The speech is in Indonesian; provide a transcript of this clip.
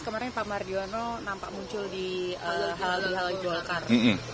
kemarin pak mardiono nampak muncul di hal hal jolkar